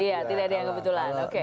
iya tidak ada yang kebetulan